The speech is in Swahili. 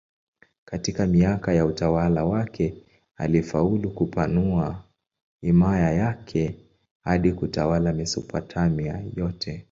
Katika miaka ya utawala wake alifaulu kupanua himaya yake hadi kutawala Mesopotamia yote.